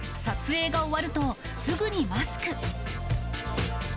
撮影が終わると、すぐにマスク。